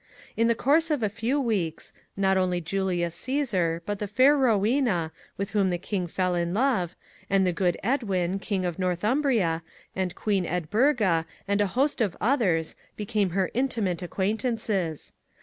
In the course of a few weeks, not only Julius Csesar, but the fair Rowena, with whom the king fell in love, and the good Edwin, King of North umbria, and Prince Egbert, and Queen Ed burga, and a host of others, became her inti mate acquaintances.